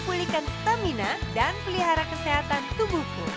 pulihkan stamina dan pelihara kesehatan tubuhku